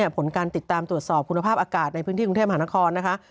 ผลการติดตามตรวจสอบคุณภาพอากาศในพื้นที่กรุงเทพมหานครนะคะ